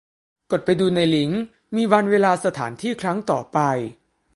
กดไปดูในลิงก์ มีวันเวลาสถานที่ครั้งต่อไป